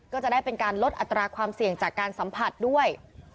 ก็จะได้เป็นการลดอัตราความเสี่ยงจากการสัมผัสด้วย